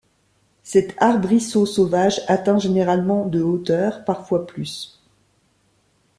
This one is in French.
Cet arbrisseau sauvage atteint généralement de hauteur, parfois plus.